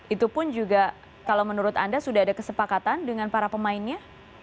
itu pun juga kalau menurut anda sudah ada kesepakatan dengan para pemainnya